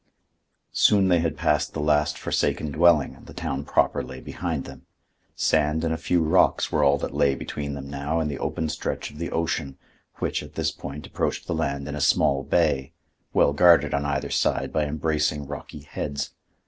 Soon they had passed the last forsaken dwelling, and the town proper lay behind them. Sand and a few rocks were all that lay between them now and the open stretch of the ocean, which, at this point, approached the land in a small bay, well guarded on either side by embracing rocky heads.